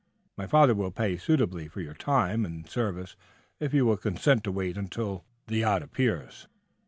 My father will pay suitably for your time, and the service, if you will consent to wait until the yacht appears."